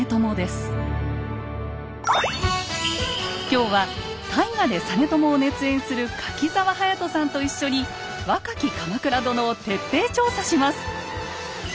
今日は大河で実朝を熱演する柿澤勇人さんと一緒に若き鎌倉殿を徹底調査します！